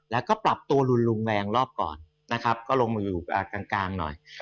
แล้วก็ปรับตัวรุนแรงรอบก่อนนะครับก็ลงมาอยู่กลางหน่อย